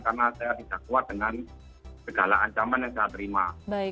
karena saya bisa kuat dengan segala ancaman yang saya terima